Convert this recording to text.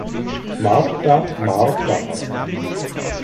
Martha Marquardt.